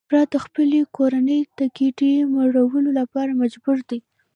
دا افراد د خپلې کورنۍ د ګېډې مړولو لپاره مجبور دي